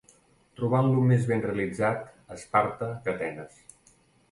trobant-lo més ben realitzat a Esparta que a Atenes